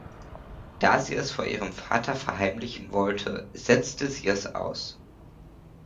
Da sie es vor ihrem Vater verheimlichen wollte, setzte sie es aus.